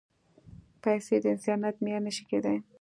پېسې د انسانیت معیار نه شي کېدای.